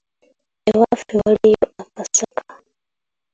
Ewaffe waliyo akasaka